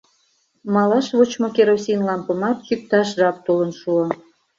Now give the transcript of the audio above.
Малаш вочмо керосин лампымат чӱкташ жап толын шуо.